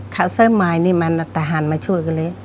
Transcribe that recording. คาวเซอร์ไมล์นี่มันละตะหันมาช่วยกันเลย